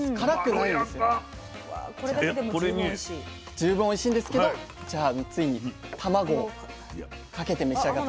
十分おいしいんですけどじゃあついに卵をかけて召し上がって。